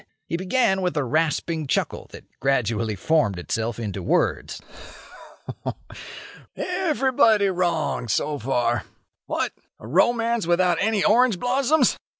He began with a rasping chuckle that gradually formed itself into words. "Everybody wrong so far. What! a romance without any orange blossoms! Ho, ho!